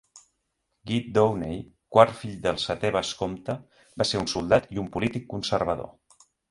Guy Dawnay, quart fill del setè vescomte, va ser un soldat i un polític conservador.